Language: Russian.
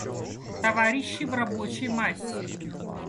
Товарищи в рабочей массе.